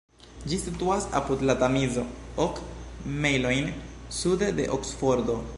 Ĝi situas apud la Tamizo, ok mejlojn sude de Oksfordo.